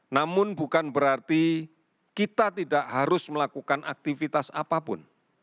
namun bukan berarti kita tidak harus melakukan aktivitas apapun